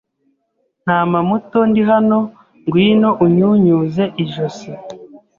Ntama muto Ndi hanoNgwino unyunyuze ijosi